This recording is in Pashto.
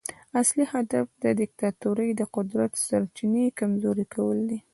اصلي هدف د دیکتاتورۍ د قدرت سرچینې کمزوري کول دي.